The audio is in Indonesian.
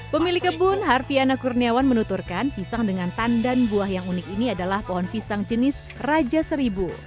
pemilik kebun harviana kurniawan menuturkan pisang dengan tandan buah yang unik ini adalah pohon pisang jenis raja seribu